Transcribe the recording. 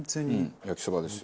焼きそばですよ。